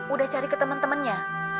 udah cari ke temen temennya